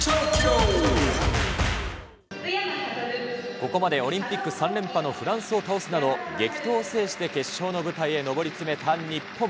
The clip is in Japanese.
ここまでオリンピック３連覇のフランスを倒すなど、激闘を制して決勝の舞台に上り詰めた日本。